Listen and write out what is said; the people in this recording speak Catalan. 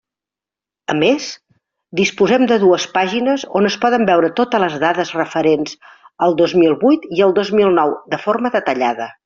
A més, disposem de dues pàgines on es poden veure totes les dades referents al dos mil vuit i al dos mil nou de forma detallada.